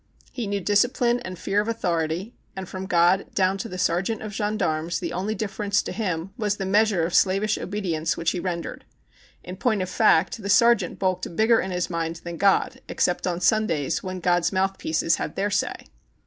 He knew discipline and fear of au thority, and from God down to the sergeant of gendarmes the only difference to him was the measure of slavish obedience which he rendered. In point of fact, the sergeant bulked bigger in his mind than God, except on Sundays when God's mouthpieces had their say.